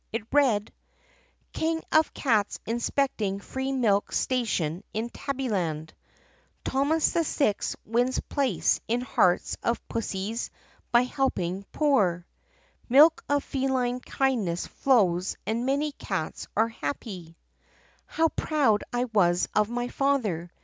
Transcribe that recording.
It read: KING OF CATS INSPECTING FREE MILK STATION IN TABBYLAND Thomas VI Wins Place in Hearts of Pus sies by Helping Poor Milk of Feline Kind ness Flows and Many Cats are Happy "How proud I was of my father!